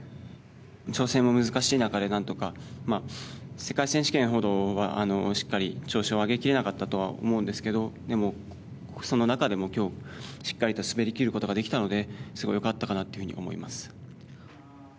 調整も難しい中で何とか世界選手権ほどはしっかり調子を上げきれなかったとは思うんですけどその中でも今日、しっかりと滑り切ることができたのですごい良かったかなと思います。